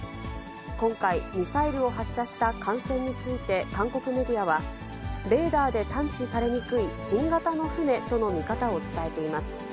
今回、ミサイルを発射した艦船について韓国メディアは、レーダーで探知されにくい新型の船との見方を伝えています。